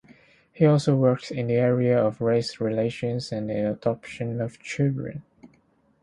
He also worked in the areas of race relations and the adoption of children.